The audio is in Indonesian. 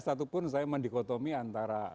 satupun saya mendikotomi antara